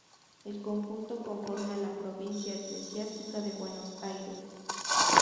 El conjunto conforma la Provincia eclesiástica de Buenos Aires.